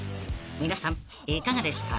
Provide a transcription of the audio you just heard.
［皆さんいかがですか？］